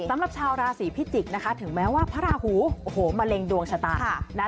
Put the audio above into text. สำหรับชาวราศีพิจิกษ์นะคะถึงแม้ว่าพระราหูโอ้โหมะเร็งดวงชะตานะ